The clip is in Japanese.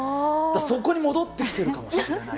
そこに戻ってきているかもしれない。